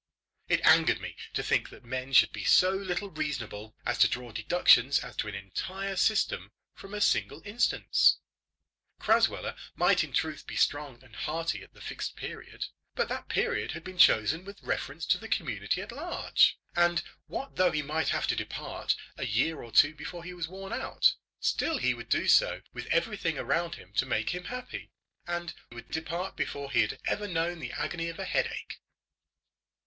It angered me to think that men should be so little reasonable as to draw deductions as to an entire system from a single instance. Crasweller might in truth be strong and hearty at the Fixed Period. But that period had been chosen with reference to the community at large; and what though he might have to depart a year or two before he was worn out, still he would do so with everything around him to make him happy, and would depart before he had ever known the agony of a headache.